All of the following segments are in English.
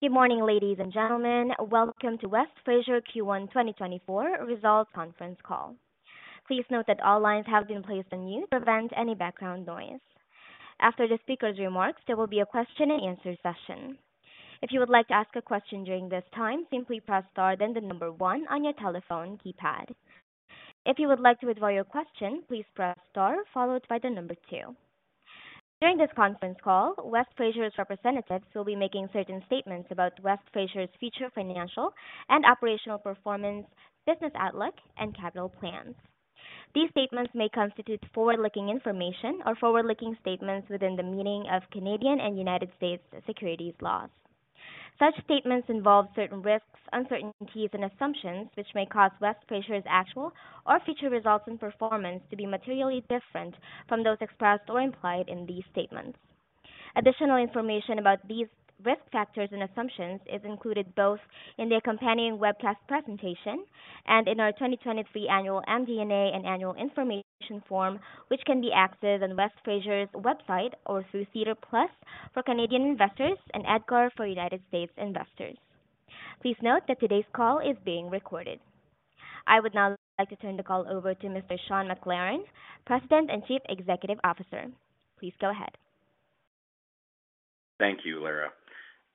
Good morning, ladies and gentlemen. Welcome to West Fraser Q1 2024 Results Conference Call. Please note that all lines have been placed on mute to prevent any background noise. After the speaker's remarks, there will be a question-and-answer session. If you would like to ask a question during this time, simply "press star then one" on your telephone keypad. If you would like to withdraw your question, "please press star followed by the number two". During this conference call, West Fraser's representatives will be making certain statements about West Fraser's future financial and operational performance, business outlook, and capital plans. These statements may constitute forward-looking information or forward-looking statements within the meaning of Canadian and United States securities laws. Such statements involve certain risks, uncertainties, and assumptions which may cause West Fraser's actual or future results and performance to be materially different from those expressed or implied in these statements. Additional information about these risk factors and assumptions is included both in the accompanying webcast presentation and in our 2023 annual MD&A and annual information form, which can be accessed on West Fraser's website or through SEDAR+ for Canadian investors and EDGAR for United States investors. Please note that today's call is being recorded. I would now like to turn the call over to Mr. Sean McLaren, President and Chief Executive Officer. Please go ahead. Thank you, Lara.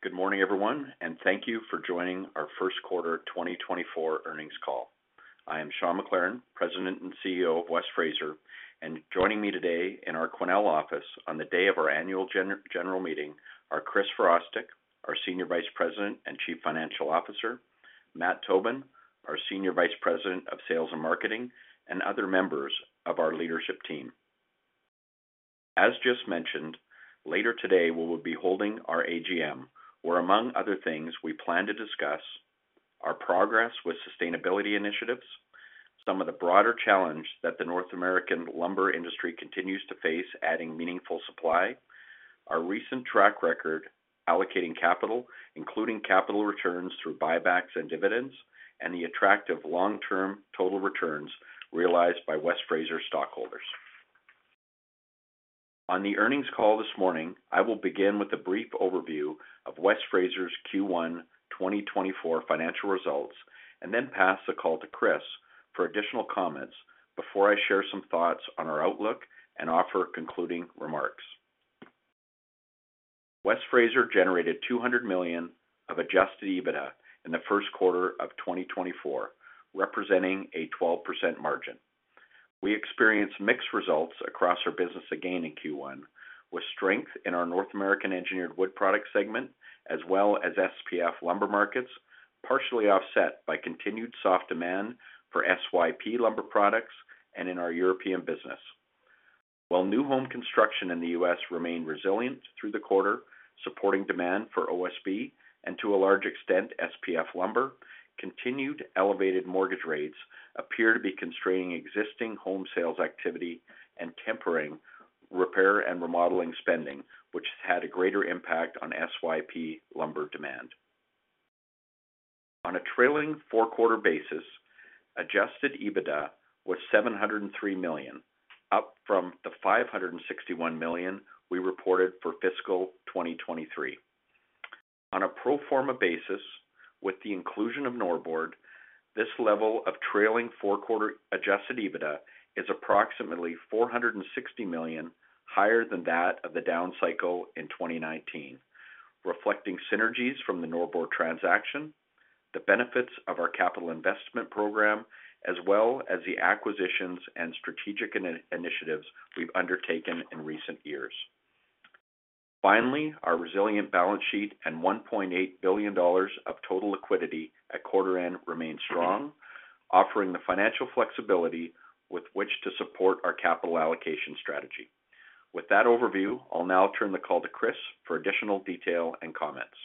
Good morning, everyone, and thank you for joining our first quarter 2024 earnings call. I am Sean McLaren, President and CEO of West Fraser, and joining me today in our Quesnel office on the day of our annual general meeting are Chris Virostek, our Senior Vice President and Chief Financial Officer, Matt Tobin, our Senior Vice President of Sales and Marketing, and other members of our leadership team. As just mentioned, later today we will be holding our AGM, where among other things we plan to discuss our progress with sustainability initiatives, some of the broader challenge that the North American lumber industry continues to face adding meaningful supply, our recent track record allocating capital, including capital returns through buybacks and dividends, and the attractive long-term total returns realized by West Fraser stockholders. On the earnings call this morning, I will begin with a brief overview of West Fraser's Q1 2024 financial results and then pass the call to Chris for additional comments before I share some thoughts on our outlook and offer concluding remarks. West Fraser generated $200 million of Adjusted EBITDA in the first quarter of 2024, representing a 12% margin. We experienced mixed results across our business again in Q1, with strength in our North American engineered wood product segment as well as SPF lumber markets, partially offset by continued soft demand for SYP lumber products and in our European business. While new home construction in the U.S. remained resilient through the quarter, supporting demand for OSB and to a large extent SPF lumber, continued elevated mortgage rates appear to be constraining existing home sales activity and tempering repair and remodeling spending, which had a greater impact on SYP lumber demand. On a trailing four-quarter basis, Adjusted EBITDA was $703 million, up from the $561 million we reported for fiscal 2023. On a pro forma basis, with the inclusion of Norbord, this level of trailing four-quarter Adjusted EBITDA is approximately $460 million higher than that of the down cycle in 2019, reflecting synergies from the Norbord transaction, the benefits of our capital investment program, as well as the acquisitions and strategic initiatives we've undertaken in recent years. Finally, our resilient balance sheet and $1.8 billion of total liquidity at quarter end remain strong, offering the financial flexibility with which to support our capital allocation strategy. With that overview, I'll now turn the call to Chris for additional detail and comments.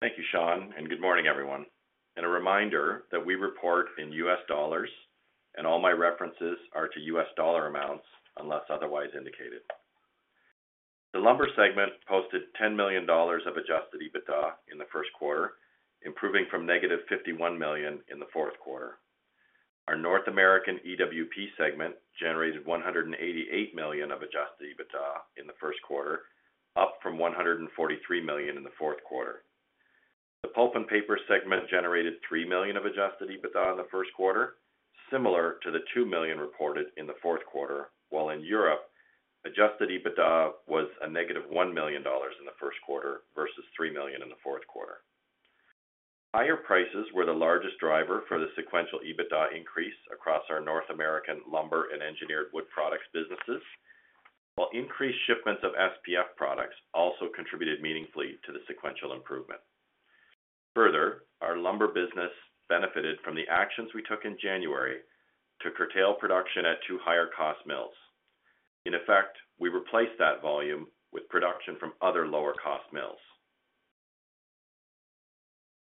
Thank you, Sean, and good morning, everyone. A reminder that we report in U.S. dollars, and all my references are to U.S. dollar amounts unless otherwise indicated. The lumber segment posted $10 million of adjusted EBITDA in the first quarter, improving from -$51 million in the fourth quarter. Our North American EWP segment generated $188 million of adjusted EBITDA in the first quarter, up from $143 million in the fourth quarter. The pulp and paper segment generated $3 million of adjusted EBITDA in the first quarter, similar to the $2 million reported in the fourth quarter, while in Europe, adjusted EBITDA was -$1 million in the first quarter versus $3 million in the fourth quarter. Higher prices were the largest driver for the sequential EBITDA increase across our North American lumber and engineered wood products businesses, while increased shipments of SPF products also contributed meaningfully to the sequential improvement. Further, our lumber business benefited from the actions we took in January to curtail production at two higher cost mills. In effect, we replaced that volume with production from other lower cost mills.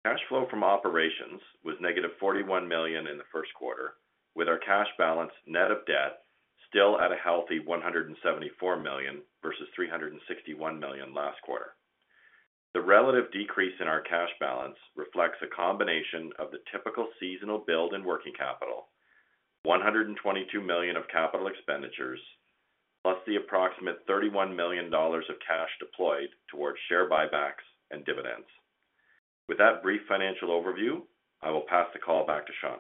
Cash flow from operations was -$41 million in the first quarter, with our cash balance net of debt still at a healthy $174 million versus $361 million last quarter. The relative decrease in our cash balance reflects a combination of the typical seasonal build and working capital, $122 million of capital expenditures, plus the approximate $31 million of cash deployed towards share buybacks and dividends. With that brief financial overview, I will pass the call back to Sean.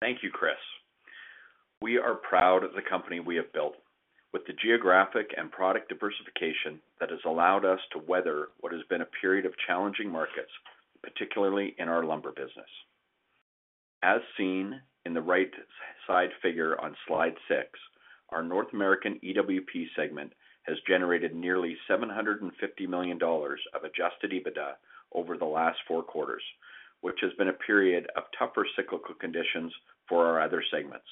Thank you, Chris. We are proud of the company we have built, with the geographic and product diversification that has allowed us to weather what has been a period of challenging markets, particularly in our lumber business. As seen in the right side figure on slide 6, our North American EWP segment has generated nearly $750 million of Adjusted EBITDA over the last four quarters, which has been a period of tougher cyclical conditions for our other segments.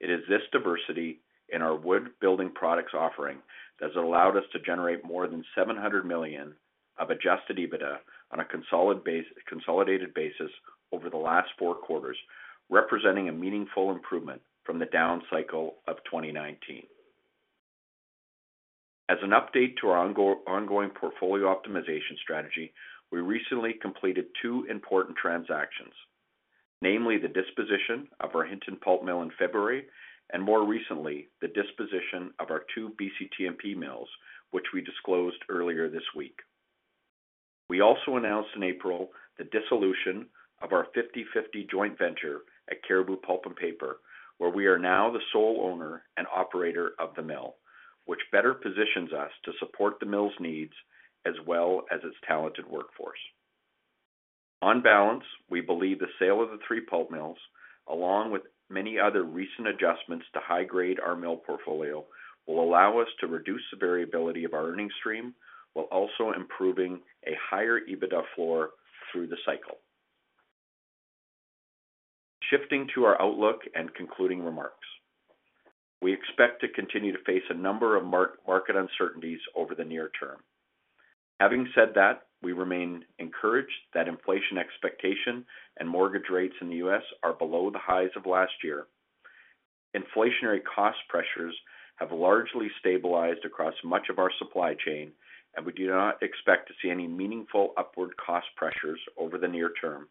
It is this diversity in our wood building products offering that has allowed us to generate more than $700 million of Adjusted EBITDA on a consolidated basis over the last four quarters, representing a meaningful improvement from the down cycle of 2019. As an update to our ongoing portfolio optimization strategy, we recently completed two important transactions, namely the disposition of our Hinton pulp mill in February and more recently the disposition of our two BCTMP mills, which we disclosed earlier this week. We also announced in April the dissolution of our 50/50 joint venture at Cariboo Pulp & Paper, where we are now the sole owner and operator of the mill, which better positions us to support the mill's needs as well as its talented workforce. On balance, we believe the sale of the three pulp mills, along with many other recent adjustments to high-grade our mill portfolio, will allow us to reduce the variability of our earnings stream while also improving a higher EBITDA floor through the cycle. Shifting to our outlook and concluding remarks. We expect to continue to face a number of market uncertainties over the near term. Having said that, we remain encouraged that inflation expectations and mortgage rates in the U.S. are below the highs of last year. Inflationary cost pressures have largely stabilized across much of our supply chain, and we do not expect to see any meaningful upward cost pressures over the near term.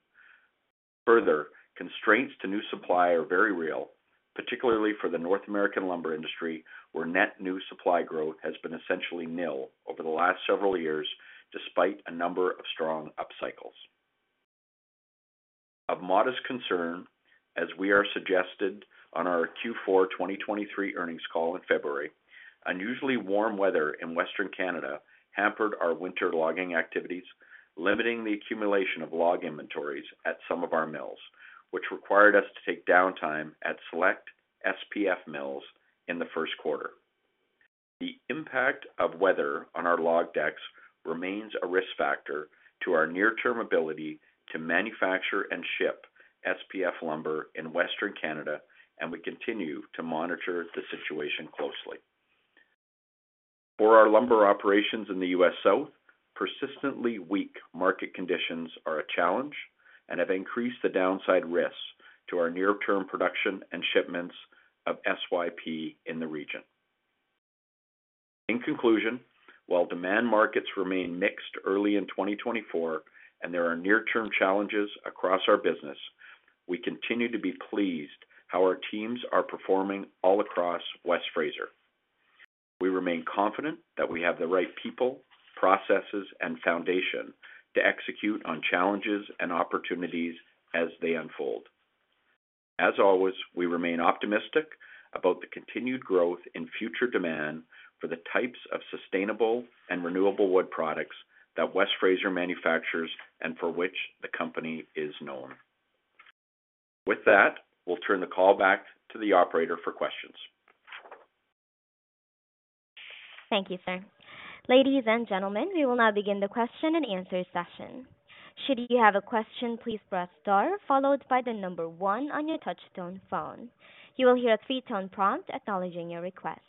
Further, constraints to new supply are very real, particularly for the North American lumber industry, where net new supply growth has been essentially nil over the last several years despite a number of strong up cycles. Of modest concern, as we suggested on our Q4 2023 earnings call in February, unusually warm weather in Western Canada hampered our winter logging activities, limiting the accumulation of log inventories at some of our mills, which required us to take downtime at select SPF mills in the first quarter. The impact of weather on our log decks remains a risk factor to our near-term ability to manufacture and ship SPF lumber in Western Canada, and we continue to monitor the situation closely. For our lumber operations in the U.S. South, persistently weak market conditions are a challenge and have increased the downside risks to our near-term production and shipments of SYP in the region. In conclusion, while demand markets remain mixed early in 2024 and there are near-term challenges across our business, we continue to be pleased how our teams are performing all across West Fraser. We remain confident that we have the right people, processes, and foundation to execute on challenges and opportunities as they unfold. As always, we remain optimistic about the continued growth in future demand for the types of sustainable and renewable wood products that West Fraser manufactures and for which the company is known. With that, we'll turn the call back to the operator for questions. Thank you, sir. Ladies and gentlemen, we will now begin the question-and-answer session. Should you have a question, "please press star followed by the number one" on your touch-tone phone. You will hear a 3-tone prompt acknowledging your request.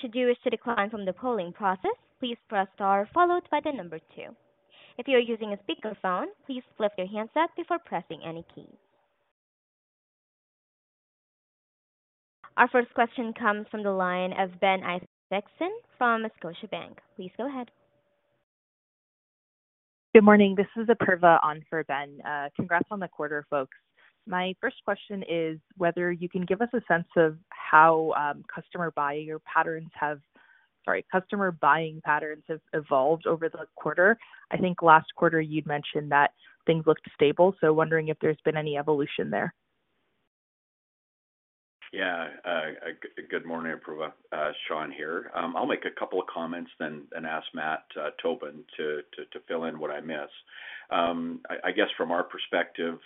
Should you wish to decline from the polling process, "please press star followed by the number two". If you are using a speakerphone, please lift your handset before pressing any key. Our first question comes from the line of Ben Isaacson from Scotiabank. Please go ahead. Good morning. This is Apurva on for Ben. Congrats on the quarter, folks. My first question is whether you can give us a sense of how customer buying patterns have evolved over the quarter. I think last quarter you'd mentioned that things looked stable, so wondering if there's been any evolution there. Yeah. Good morning, Apurva. Sean here. I'll make a couple of comments then and ask Matt Tobin to fill in what I miss. I guess from our perspective,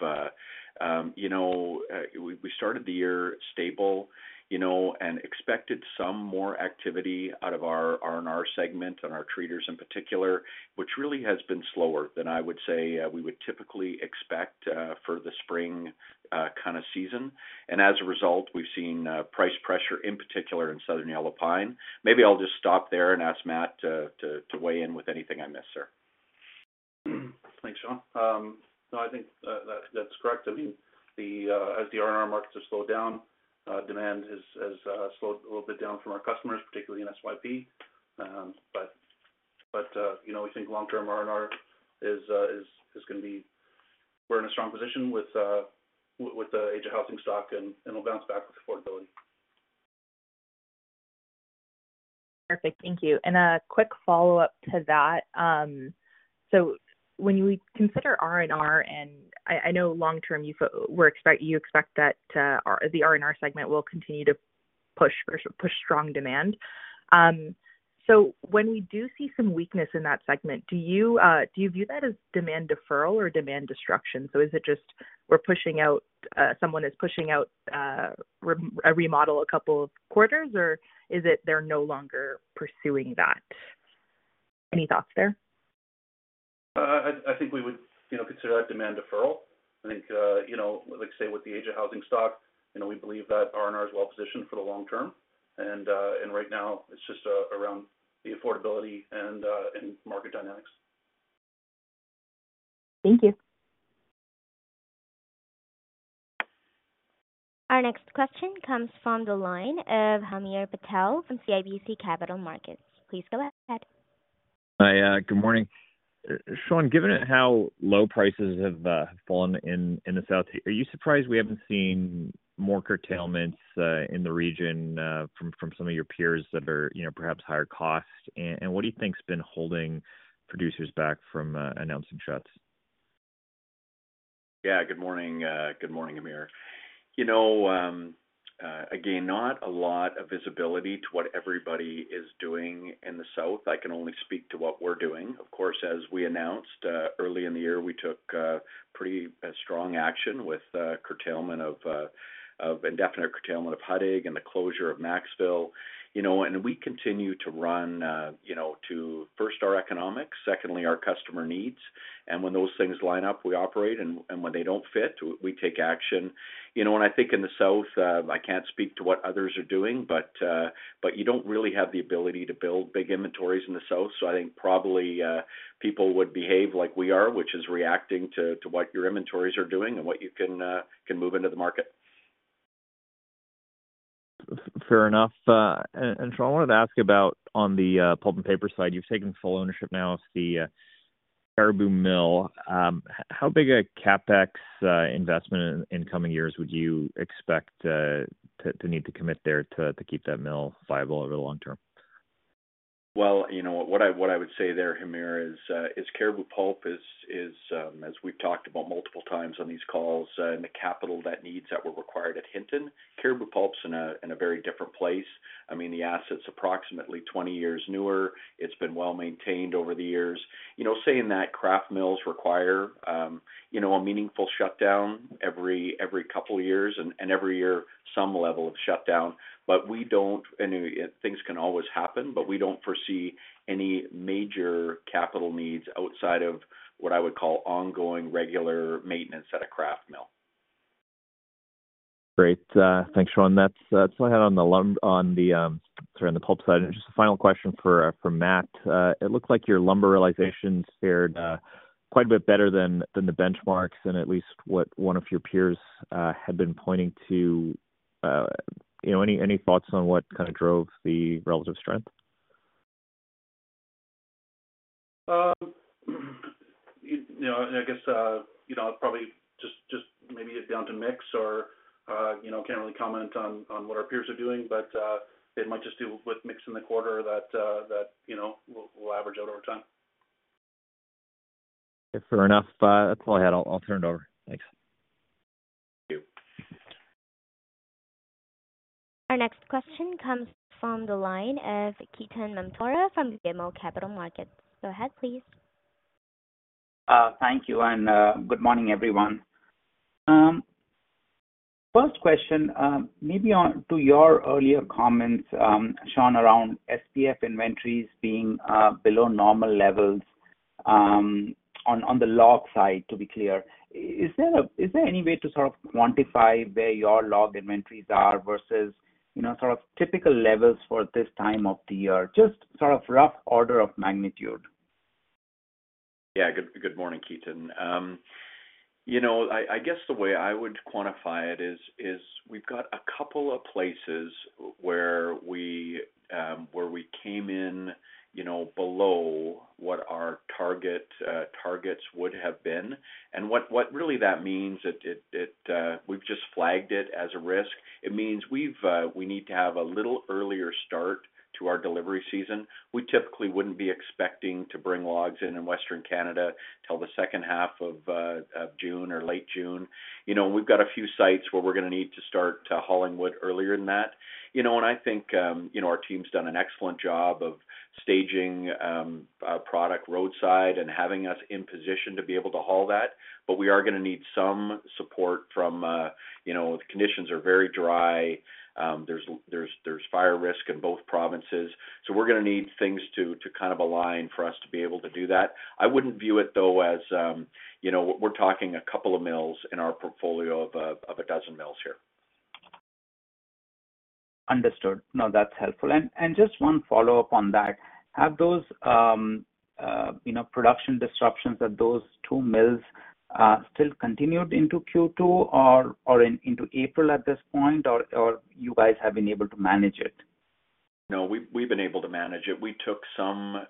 we started the year stable and expected some more activity out of our R&R segment and our treaters in particular, which really has been slower than I would say we would typically expect for the spring kind of season. And as a result, we've seen price pressure in particular in Southern Yellow Pine. Maybe I'll just stop there and ask Matt to weigh in with anything I miss, sir. Thanks, Sean. No, I think that's correct. I mean, as the R&R markets have slowed down, demand has slowed a little bit down from our customers, particularly in SYP. But we think long-term R&R is going to be. We're in a strong position with the age of housing stock, and it'll bounce back with affordability. Perfect. Thank you. A quick follow-up to that. When we consider R&R and I know long-term you expect that the R&R segment will continue to push strong demand. When we do see some weakness in that segment, do you view that as demand deferral or demand destruction? Is it just someone is pushing out a remodel a couple of quarters, or is it they're no longer pursuing that? Any thoughts there? I think we would consider that demand deferral. I think, like I say, with the age of housing stock, we believe that R&R is well-positioned for the long term. Right now, it's just around the affordability and market dynamics. Thank you. Our next question comes from the line of Hamir Patel from CIBC Capital Markets. Please go ahead. Hi. Good morning. Sean, given how low prices have fallen in the South, are you surprised we haven't seen more curtailments in the region from some of your peers that are perhaps higher cost? And what do you think's been holding producers back from announcing shuts? Yeah. Good morning. Good morning, Hamir. Again, not a lot of visibility to what everybody is doing in the South. I can only speak to what we're doing. Of course, as we announced early in the year, we took pretty strong action with indefinite curtailment of Huttig and the closure of Maxville. And we continue to run to, first, our economics. Secondly, our customer needs. And when those things line up, we operate. And when they don't fit, we take action. And I think in the South, I can't speak to what others are doing, but you don't really have the ability to build big inventories in the South. So I think probably people would behave like we are, which is reacting to what your inventories are doing and what you can move into the market. Fair enough. And Sean, I wanted to ask about on the pulp and paper side, you've taken full ownership now of the Cariboo Mill. How big a CapEx investment in coming years would you expect to need to commit there to keep that mill viable over the long term? Well, what I would say there, Amir, is Cariboo Pulp, as we've talked about multiple times on these calls, and the capital that needs that were required at Hinton, Cariboo Pulp's in a very different place. I mean, the asset's approximately 20 years newer. It's been well-maintained over the years. Saying that, kraft mills require a meaningful shutdown every couple of years and every year some level of shutdown. And things can always happen, but we don't foresee any major capital needs outside of what I would call ongoing regular maintenance at a kraft mill. Great. Thanks, Sean. That's all I had on the pulp side. And just a final question for Matt. It looked like your lumber realizations fared quite a bit better than the benchmarks and at least what one of your peers had been pointing to. Any thoughts on what kind of drove the relative strength? I guess probably just maybe down to mix, or can't really comment on what our peers are doing, but it might just do with mix in the quarter that will average out over time. Fair enough. That's all I had. I'll turn it over. Thanks. Thank you. Our next question comes from the line of Ketan Mamtora from BMO Capital Markets. Go ahead, please. Thank you. Good morning, everyone. First question, maybe to your earlier comments, Sean, around SPF inventories being below normal levels on the log side, to be clear, is there any way to sort of quantify where your log inventories are versus sort of typical levels for this time of the year? Just sort of rough order of magnitude. Yeah. Good morning, Ketan. I guess the way I would quantify it is we've got a couple of places where we came in below what our targets would have been. And what really that means, we've just flagged it as a risk. It means we need to have a little earlier start to our delivery season. We typically wouldn't be expecting to bring logs in in Western Canada till the second half of June or late June. We've got a few sites where we're going to need to start hauling wood earlier than that. And I think our team's done an excellent job of staging product roadside and having us in position to be able to haul that. But we are going to need some support from the conditions. They are very dry. There's fire risk in both provinces. So we're going to need things to kind of align for us to be able to do that. I wouldn't view it, though, as we're talking a couple of mills in our portfolio of a dozen mills here. Understood. No, that's helpful. And just one follow-up on that. Have those production disruptions, have those two mills still continued into Q2 or into April at this point, or you guys have been able to manage it? No, we've been able to manage it. We took some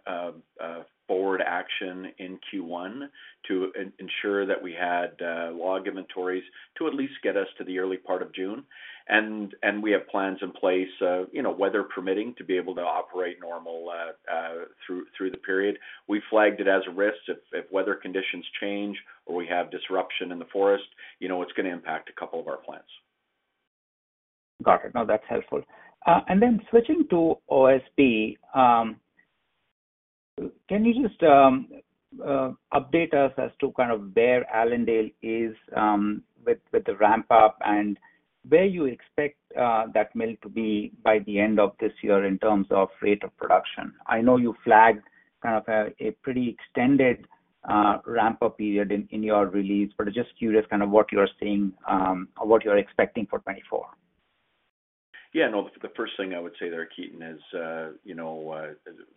forward action in Q1 to ensure that we had log inventories to at least get us to the early part of June. We have plans in place, weather permitting, to be able to operate normal through the period. We flagged it as a risk. If weather conditions change or we have disruption in the forest, it's going to impact a couple of our plants. Got it. No, that's helpful. And then switching to OSB, can you just update us as to kind of where Allendale is with the ramp-up and where you expect that mill to be by the end of this year in terms of rate of production? I know you flagged kind of a pretty extended ramp-up period in your release, but I'm just curious kind of what you're seeing or what you're expecting for 2024. Yeah. No, the first thing I would say there, Ketan, is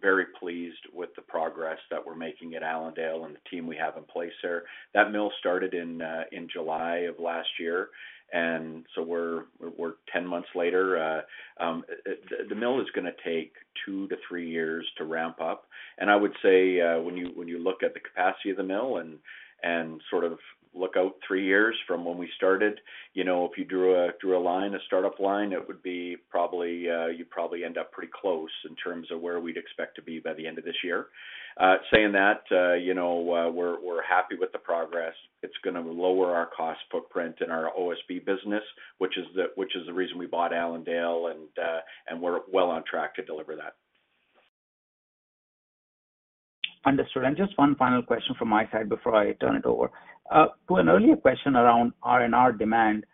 very pleased with the progress that we're making at Allendale and the team we have in place there. That mill started in July of last year, and so we're 10 months later. The mill is going to take 2-3 years to ramp up. And I would say when you look at the capacity of the mill and sort of look out 3 years from when we started, if you drew a line, a startup line, you'd probably end up pretty close in terms of where we'd expect to be by the end of this year. Saying that, we're happy with the progress. It's going to lower our cost footprint in our OSB business, which is the reason we bought Allendale, and we're well on track to deliver that. Understood. Just one final question from my side before I turn it over to an earlier question around R&R demand.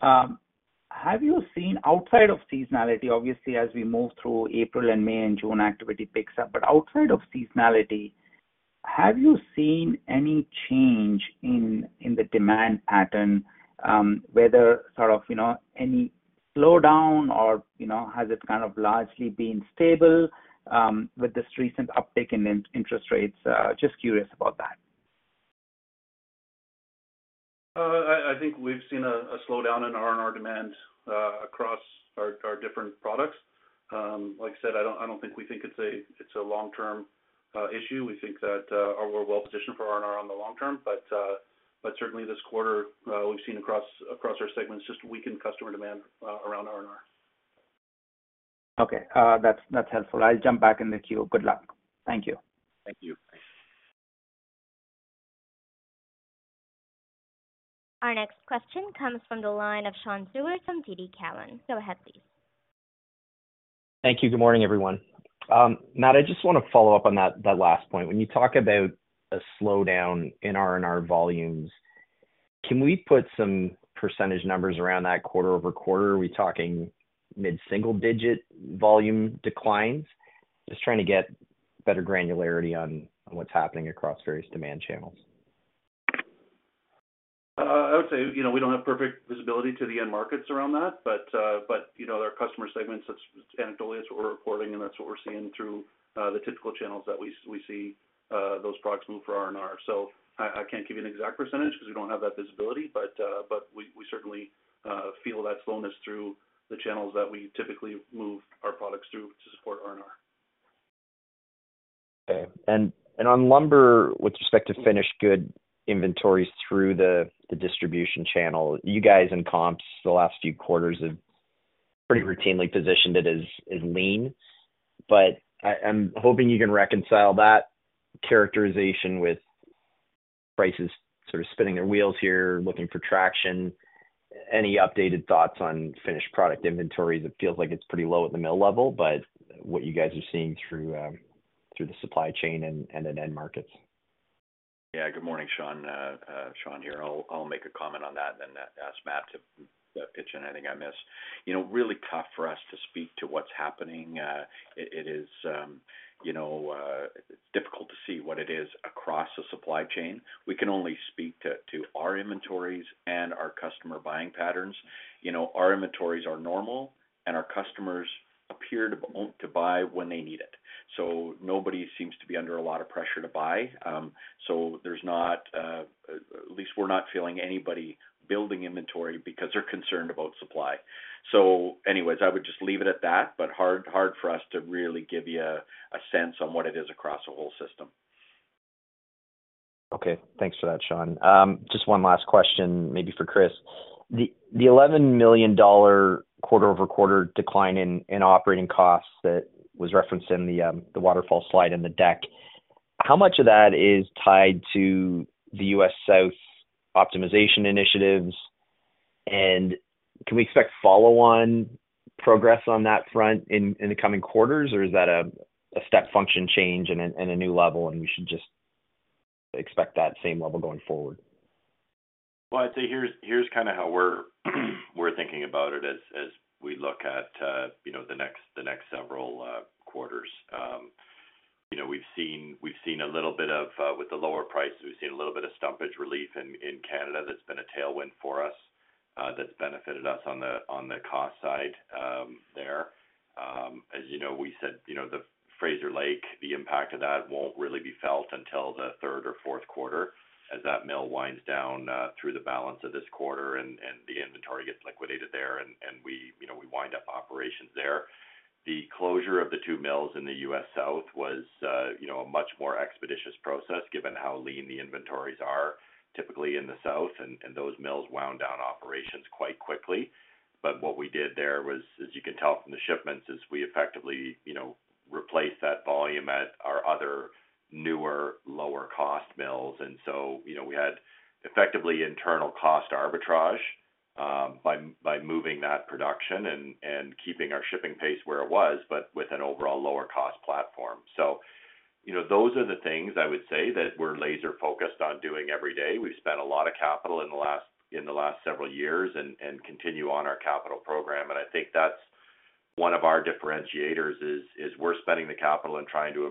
Have you seen outside of seasonality, obviously, as we move through April and May and June activity picks up, but outside of seasonality, have you seen any change in the demand pattern, whether sort of any slowdown, or has it kind of largely been stable with this recent uptick in interest rates? Just curious about that. I think we've seen a slowdown in R&R demand across our different products. Like I said, I don't think we think it's a long-term issue. We think that we're well-positioned for R&R on the long term. But certainly, this quarter, we've seen across our segments just weakened customer demand around R&R. Okay. That's helpful. I'll jump back in the queue. Good luck. Thank you. Thank you. Our next question comes from the line of Sean Steuart from TD Cowen. Go ahead, please. Thank you. Good morning, everyone. Matt, I just want to follow up on that last point. When you talk about a slowdown in R&R volumes, can we put some percentage numbers around that quarter-over-quarter? Are we talking mid-single-digit volume declines? Just trying to get better granularity on what's happening across various demand channels. I would say we don't have perfect visibility to the end markets around that, but there are customer segments. It's anecdotally that's what we're reporting, and that's what we're seeing through the typical channels that we see those products move for R&R. So I can't give you an exact percentage because we don't have that visibility, but we certainly feel that slowness through the channels that we typically move our products through to support R&R. Okay. And on lumber, with respect to finished goods inventories through the distribution channel, you guys in comps the last few quarters have pretty routinely positioned it as lean. But I'm hoping you can reconcile that characterization with prices sort of spinning their wheels here, looking for traction. Any updated thoughts on finished product inventories? It feels like it's pretty low at the mill level, but what you guys are seeing through the supply chain and in end markets. Yeah. Good morning, Sean. Sean here. I'll make a comment on that and then ask Matt to pitch in anything I miss. Really tough for us to speak to what's happening. It is difficult to see what it is across the supply chain. We can only speak to our inventories and our customer buying patterns. Our inventories are normal, and our customers appear to buy when they need it. So nobody seems to be under a lot of pressure to buy. So at least we're not feeling anybody building inventory because they're concerned about supply. So anyways, I would just leave it at that, but hard for us to really give you a sense on what it is across the whole system. Okay. Thanks for that, Sean. Just one last question, maybe for Chris. The $11 million quarter-over-quarter decline in operating costs that was referenced in the waterfall slide and the deck, how much of that is tied to the U.S. South optimization initiatives? And can we expect follow-on progress on that front in the coming quarters, or is that a step function change and a new level, and we should just expect that same level going forward? Well, I'd say here's kind of how we're thinking about it as we look at the next several quarters. We've seen a little bit of with the lower prices, we've seen a little bit of stumpage relief in Canada that's been a tailwind for us that's benefited us on the cost side there. As we said, the Fraser Lake, the impact of that won't really be felt until the third or fourth quarter as that mill winds down through the balance of this quarter and the inventory gets liquidated there, and we wind up operations there. The closure of the 2 mills in the U.S. South was a much more expeditious process given how lean the inventories are typically in the South, and those mills wound down operations quite quickly. But what we did there, as you can tell from the shipments, is we effectively replaced that volume at our other newer, lower-cost mills. And so we had effectively internal cost arbitrage by moving that production and keeping our shipping pace where it was, but with an overall lower-cost platform. So those are the things, I would say, that we're laser-focused on doing every day. We've spent a lot of capital in the last several years and continue on our capital program. And I think that's one of our differentiators, is we're spending the capital and trying to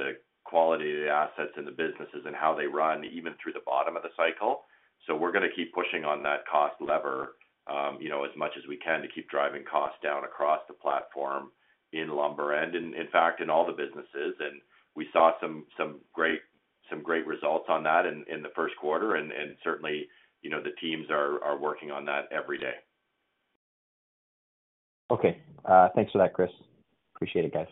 improve the quality of the assets and the businesses and how they run even through the bottom of the cycle. So we're going to keep pushing on that cost lever as much as we can to keep driving costs down across the platform in lumber and, in fact, in all the businesses. We saw some great results on that in the first quarter, and certainly, the teams are working on that every day. Okay. Thanks for that, Chris. Appreciate it, guys.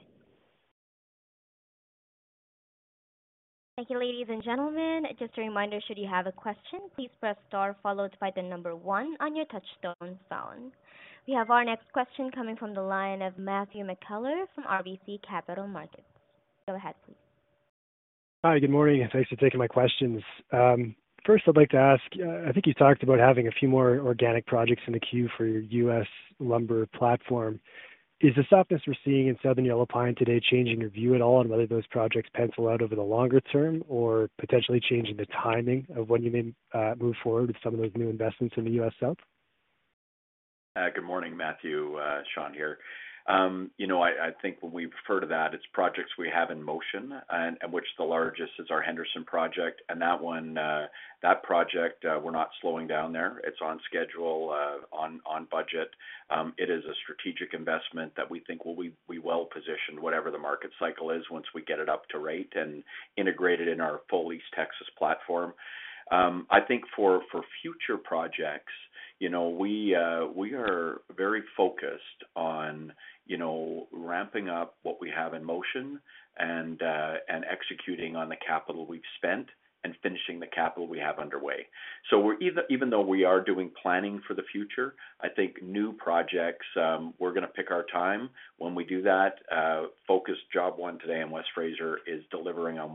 Thank you, ladies and gentlemen. Just a reminder, should you have a question, "please press star followed by the number one" on your touch-tone phone. We have our next question coming from the line of Matthew McKellar from RBC Capital Markets. Go ahead, please. Hi. Good morning. Thanks for taking my questions. First, I'd like to ask I think you talked about having a few more organic projects in the queue for your U.S. lumber platform. Is the softness we're seeing in Southern Yellow Pine today changing your view at all on whether those projects pencil out over the longer term or potentially changing the timing of when you may move forward with some of those new investments in the U.S. South? Good morning, Matthew. Sean here. I think when we refer to that, it's projects we have in motion and which the largest is our Henderson project. And that project, we're not slowing down there. It's on schedule, on budget. It is a strategic investment that we think will be well-positioned, whatever the market cycle is, once we get it up to rate and integrated in our Foley's Texas platform. I think for future projects, we are very focused on ramping up what we have in motion and executing on the capital we've spent and finishing the capital we have underway. So even though we are doing planning for the future, I think new projects, we're going to pick our time. When we do that, focus job one today in West Fraser is delivering on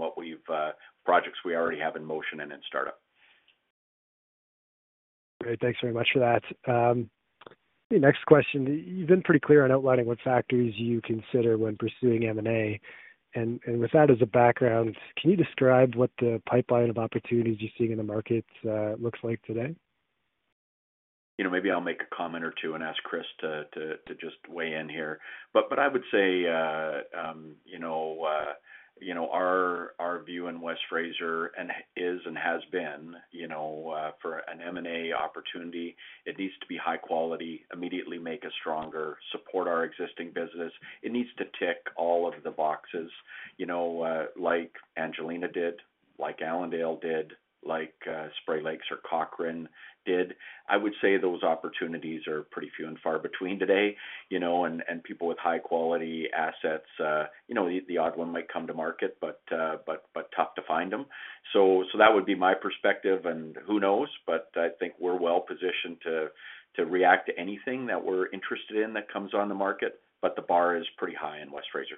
projects we already have in motion and in startup. Great. Thanks very much for that. Next question. You've been pretty clear on outlining what factors you consider when pursuing M&A. With that as a background, can you describe what the pipeline of opportunities you're seeing in the markets looks like today? Maybe I'll make a comment or two and ask Chris to just weigh in here. But I would say our view in West Fraser is and has been for an M&A opportunity, it needs to be high quality, immediately make us stronger, support our existing business. It needs to tick all of the boxes like Angelina did, like Allendale did, like Spray Lakes or Cochrane did. I would say those opportunities are pretty few and far between today. And people with high-quality assets, the odd one might come to market, but tough to find them. So that would be my perspective, and who knows? But I think we're well-positioned to react to anything that we're interested in that comes on the market, but the bar is pretty high in West Fraser.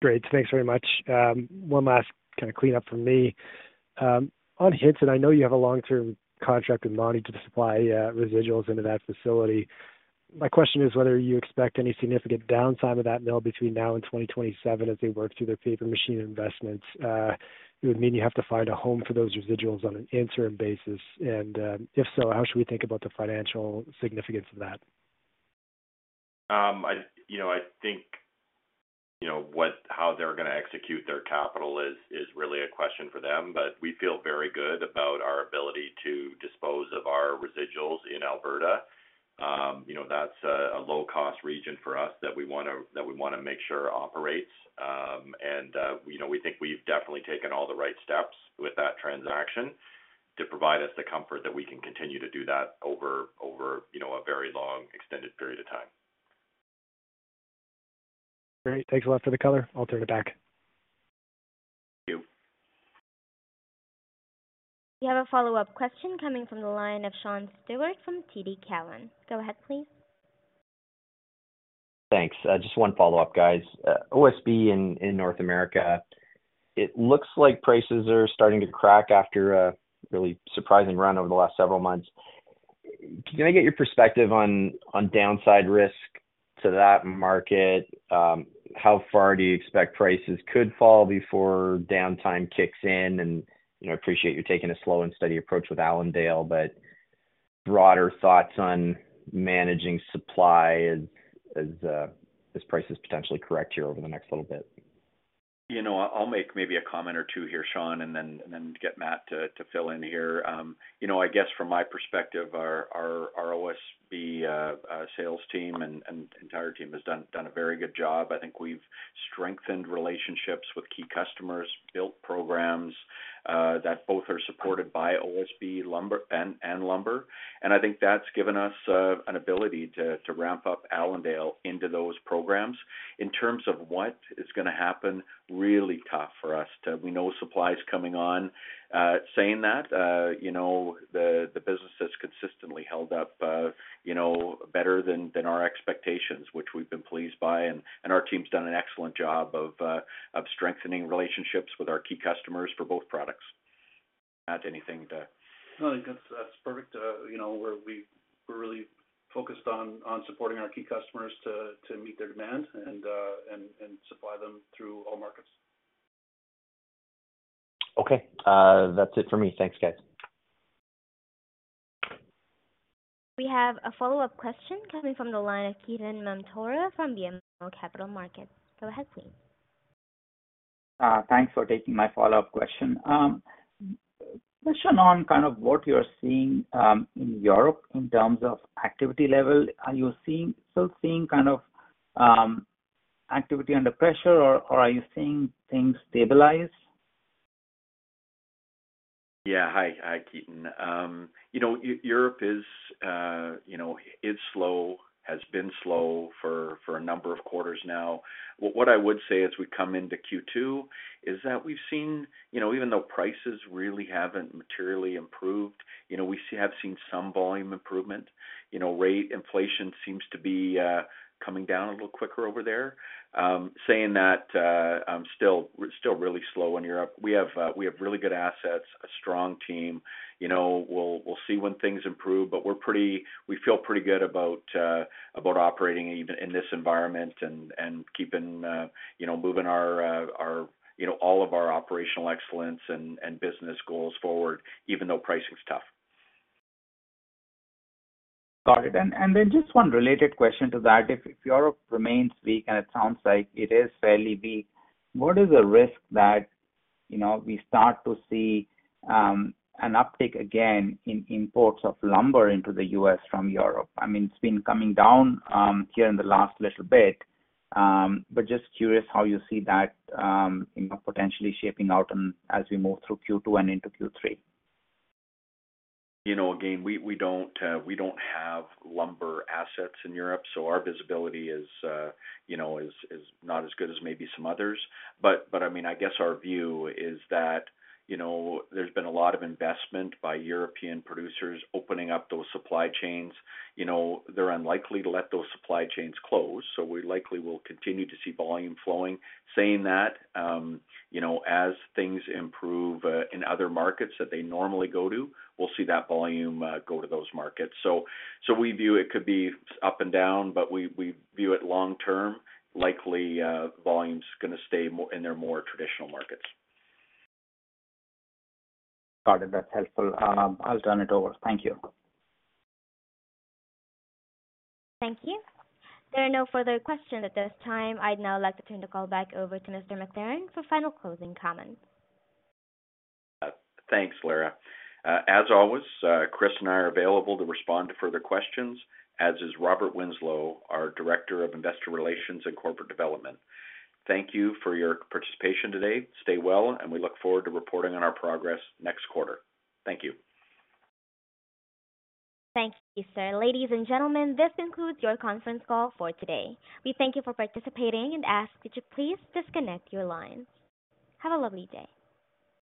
Great. Thanks very much. One last kind of cleanup from me. On Hinton, I know you have a long-term contract with Mondi to supply residuals into that facility. My question is whether you expect any significant downtime of that mill between now and 2027 as they work through their paper machine investments. It would mean you have to find a home for those residuals on an interim basis. And if so, how should we think about the financial significance of that? I think how they're going to execute their capital is really a question for them, but we feel very good about our ability to dispose of our residuals in Alberta. That's a low-cost region for us that we want to make sure operates. We think we've definitely taken all the right steps with that transaction to provide us the comfort that we can continue to do that over a very long, extended period of time. Great. Thanks a lot for the color. I'll turn it back. Thank you. We have a follow-up question coming from the line of Sean Steuart from TD Cowen. Go ahead, please. Thanks. Just one follow-up, guys. OSB in North America, it looks like prices are starting to crack after a really surprising run over the last several months. Can I get your perspective on downside risk to that market? How far do you expect prices could fall before downtime kicks in? And I appreciate you're taking a slow and steady approach with Allendale, but broader thoughts on managing supply as prices potentially correct here over the next little bit? I'll make maybe a comment or two here, Sean, and then get Matt to fill in here. I guess from my perspective, our OSB sales team and entire team has done a very good job. I think we've strengthened relationships with key customers, built programs that both are supported by OSB and lumber. And I think that's given us an ability to ramp up Allendale into those programs. In terms of what is going to happen, really tough for us to. We know supply's coming on. Saying that, the business has consistently held up better than our expectations, which we've been pleased by. And our team's done an excellent job of strengthening relationships with our key customers for both products. Matt, anything to? No, I think that's perfect, where we're really focused on supporting our key customers to meet their demand and supply them through all markets. Okay. That's it for me. Thanks, guys. We have a follow-up question coming from the line of Ketan Mamtora from BMO Capital Markets. Go ahead, please. Thanks for taking my follow-up question. Question on kind of what you're seeing in Europe in terms of activity level. Are you still seeing kind of activity under pressure, or are you seeing things stabilize? Yeah. Hi, Ketan. Europe is slow, has been slow for a number of quarters now. What I would say as we come into Q2 is that we've seen even though prices really haven't materially improved, we have seen some volume improvement. Rate inflation seems to be coming down a little quicker over there. Saying that, I'm still really slow on Europe. We have really good assets, a strong team. We'll see when things improve, but we feel pretty good about operating even in this environment and keeping moving all of our operational excellence and business goals forward even though pricing's tough. Got it. And then just one related question to that. If Europe remains weak, and it sounds like it is fairly weak, what is the risk that we start to see an uptick again in imports of lumber into the U.S. from Europe? I mean, it's been coming down here in the last little bit, but just curious how you see that potentially shaping out as we move through Q2 and into Q3. Again, we don't have lumber assets in Europe, so our visibility is not as good as maybe some others. But I mean, I guess our view is that there's been a lot of investment by European producers opening up those supply chains. They're unlikely to let those supply chains close, so we likely will continue to see volume flowing. Saying that, as things improve in other markets that they normally go to, we'll see that volume go to those markets. So we view it could be up and down, but we view it long-term. Likely, volume's going to stay in their more traditional markets. Got it. That's helpful. I'll turn it over. Thank you. Thank you. There are no further questions at this time. I'd now like to turn the call back over to Mr. McLaren for final closing comments. Thanks, Lara. As always, Chris and I are available to respond to further questions, as is Robert Winslow, our Director of Investor Relations and Corporate Development. Thank you for your participation today. Stay well, and we look forward to reporting on our progress next quarter. Thank you. Thank you, sir. Ladies and gentlemen, this concludes your conference call for today. We thank you for participating and ask that you please disconnect your lines. Have a lovely day.